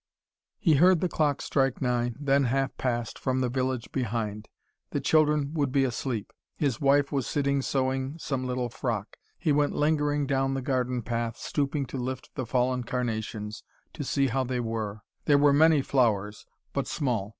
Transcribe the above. He heard the clock strike nine, then half past, from the village behind. The children would be asleep. His wife was sitting sewing some little frock. He went lingering down the garden path, stooping to lift the fallen carnations, to see how they were. There were many flowers, but small.